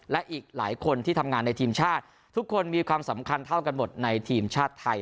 และอีกหลายคนที่ทำงานในทีมชาติทุกคนมีความสำคัญเท่ากันหมดในทีมชาติไทย